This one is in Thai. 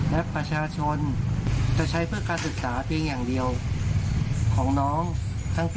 และประชาชนจะใช้เพื่อการศึกษาเพียงอย่างเดียวของน้องทั้งพี่